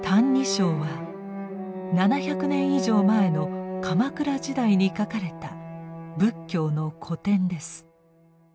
「歎異抄」は７００年以上前の鎌倉時代に書かれた仏教の古典です。